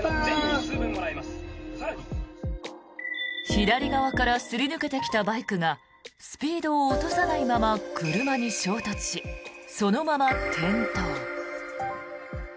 左側からすり抜けてきたバイクがスピードを落とさないまま車に衝突し、そのまま転倒。